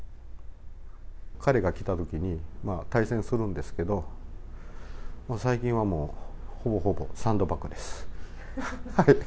彼が来たときに対戦するんですけど、最近はもう、ほぼほぼ、サンドバッグです。